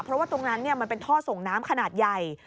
เพราะว่าตรงนั้นมันเป็นท่อส่งน้ำขนาดใหญ่